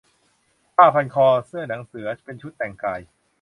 ผ้าพันคอ เสื้อหนังเสือ เป็นชุดแต่งกาย